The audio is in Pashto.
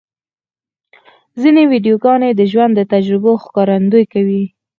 ځینې ویډیوګانې د ژوند د تجربو ښکارندویي کوي.